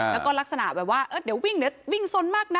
แล้วก็ลักษณะแบบว่าเดี๋ยววิ่งสนมากนะ